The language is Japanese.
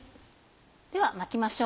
では巻きましょう。